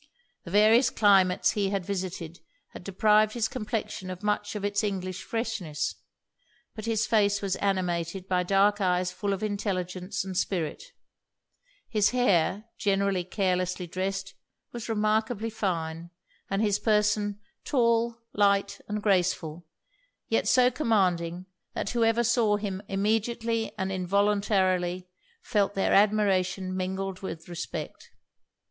The various climates he had visited had deprived his complexion of much of it's English freshness; but his face was animated by dark eyes full of intelligence and spirit; his hair, generally carelessly dressed, was remarkably fine, and his person tall, light, and graceful, yet so commanding, that whoever saw him immediately and involuntarily felt their admiration mingled with respect.